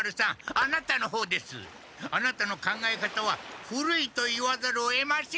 アナタの考え方は古いと言わざるをえません。